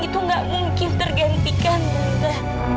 itu gak mungkin tergantikan tante